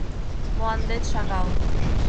— Мландет шагал.